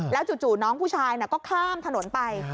จู่น้องผู้ชายก็ข้ามถนนไป